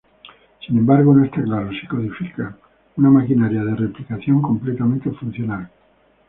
Sin embargo, no está claro si codifican una maquinaria de replicación completamente funcional.